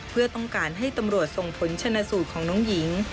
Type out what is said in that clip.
เพื่อต้องการให้ตำรวจส่งผลชนะสูตรของน้องหญิง